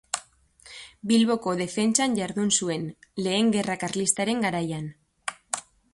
Bilboko defentsan jardun zuen, Lehen Gerra Karlistaren garaian.